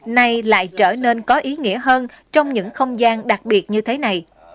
nay lại trở nên có ý nghĩa hơn trong những không gian đặc biệt như thế này